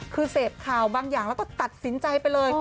คือเสพข่าวบางอย่างแล้วก็ตัดสินใจไปเลย